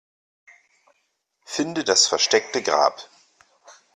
Finde das versteckte Grab.